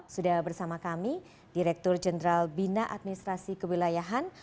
sudah bersama kami direktur jenderal bina administrasi kewilayahan